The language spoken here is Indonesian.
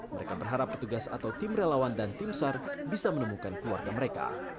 mereka berharap petugas atau tim relawan dan tim sar bisa menemukan keluarga mereka